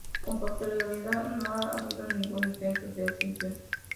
Con posterioridad no ha habido ningún intento de ascensión.